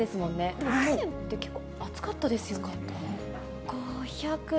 でも去年って結構暑かったですよね。